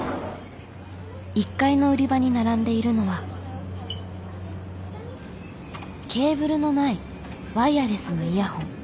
１階の売り場に並んでいるのはケーブルのないワイヤレスのイヤホン。